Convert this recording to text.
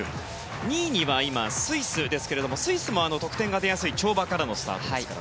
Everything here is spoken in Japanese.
２位にはスイスですがスイスも得点が出やすい跳馬からのスタートです。